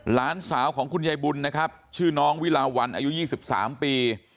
หลานสาวของคุณยายบุญนะครับชื่อน้องวิลาวันอายุ๒๓ปี